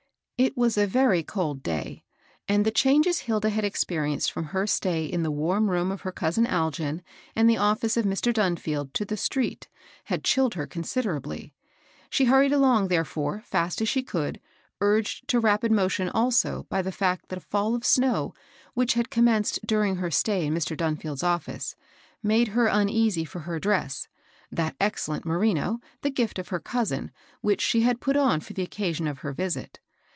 It was a very cold day; and the changes Hilda had experienced from her stay in the warm room of her cousin Algin and the ofBce of Mr. Dunfield to the street had chilled her condderably. She hurried along, therefore, fast as she could, urged to rapid motion, also, by the fiict that a fell of snow, which had commenced during her stay in Mr. Dunfield's office, made her uneasy for her dress, — that excellent merino, the gift of her cousin, which she had put on for the occasion of her visit.